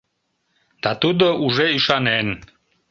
Да тудо уже ӱшанен.